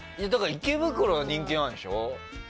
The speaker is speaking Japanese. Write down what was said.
池袋は人気なんでしょ。